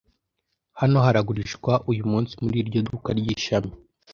Hano haragurishwa uyumunsi muri iryo duka ryishami.